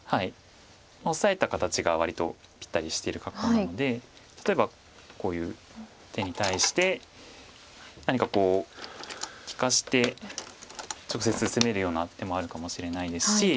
オサえた形が割とぴったりしている格好なので例えばこういう手に対して何か利かして直接攻めるような手もあるかもしれないですし。